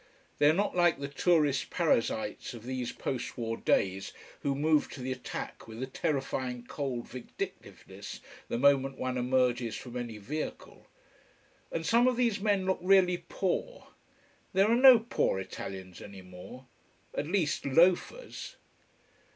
They are not like the tourist parasites of these post war days, who move to the attack with a terrifying cold vindictiveness the moment one emerges from any vehicle. And some of these men look really poor. There are no poor Italians any more: at least, loafers.